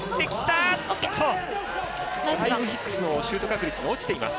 ヒックスのシュート確率も落ちています。